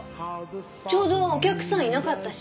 ちょうどお客さんいなかったし。